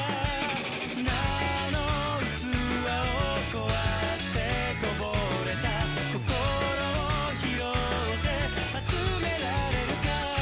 「砂の器を壊して、こぼれた」「心を拾って集められるか？」